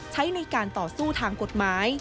ใช้ในการต่อสู้ทางกฎหมาย